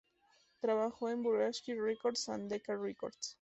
Trabajó para Brunswick Records y Decca Records.